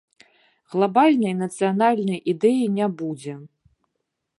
Глабальнай нацыянальнай ідэі не будзе.